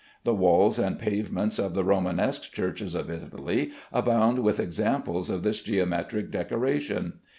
The walls and pavements of the Romanesque churches of Italy abound with examples of this geometric decoration.